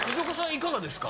いかがですか？